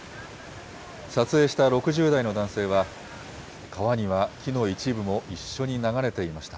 撮影した６０代の男性は、川には木の一部も一緒に流れていました。